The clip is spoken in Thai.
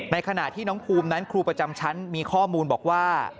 ขณะที่น้องภูมินั้นครูประจำชั้นมีข้อมูลบอกว่า